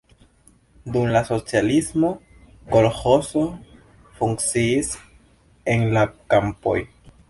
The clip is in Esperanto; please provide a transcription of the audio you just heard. Dum la socialismo kolĥozo funkciis en la kampoj.